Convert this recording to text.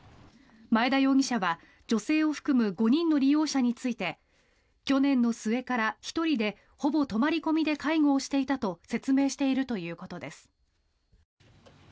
前田容疑者は女性を含む５人の利用者について去年の末から１人でほぼ泊まり込みで介護をしていたと説明しているということです。